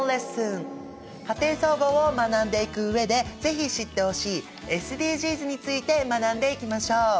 「家庭総合」を学んでいく上で是非知ってほしいＳＤＧｓについて学んでいきましょう！